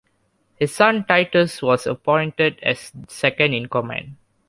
His son Titus was appointed as second-in-command.